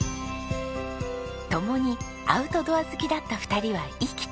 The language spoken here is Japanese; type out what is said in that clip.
共にアウトドア好きだった２人は意気投合。